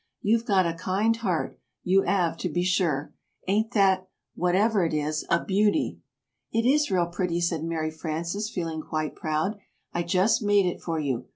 "You've got a kind heart, you 'ave, to be shure. Ain't that whatever it is a beauty!" "It is real pretty," said Mary Frances, feeling quite proud. "I just made it for you.